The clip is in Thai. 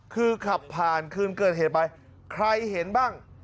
คือขับผ่านคืนเกิดเหตุไปใครเห็นบ้าง